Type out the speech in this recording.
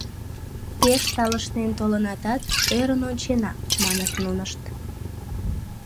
— Пеш талышнен толынатат, ӧрын ончена, — маныт нунышт.